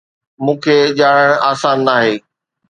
مون کي ڄاڻڻ آسان ناهي